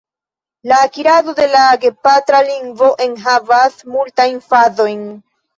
La akirado de la gepatra lingvo enhavas multajn fazojn.